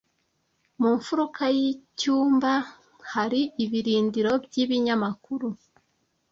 Mu mfuruka y'icyumba hari ibirindiro by'ibinyamakuru.